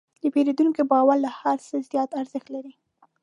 د پیرودونکي باور له هر څه زیات ارزښت لري.